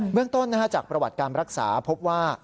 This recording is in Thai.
เมืองต้นจากประวัติการรักษาพบว่า